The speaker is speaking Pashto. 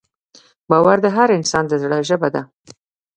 باور د هر انسان د زړه ژبه ده.